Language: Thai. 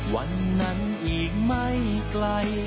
วันนั้นอีกไม่ไกล